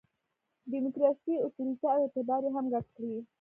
د ډیموکراسي اُتوریته او اعتبار یې هم ګډ کړي.